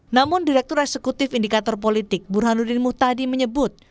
namun direktur eksekutif indikator politik burhanuddin muhtadi menyebut